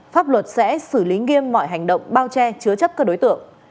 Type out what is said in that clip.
pháp luật sẽ xử lý nghiêm mọi hành động bao che chứa chấp các đối tượng